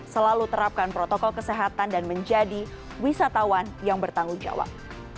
selalu terapkan protokol kesehatan dan menjadi wisatawan yang bertanggung jawab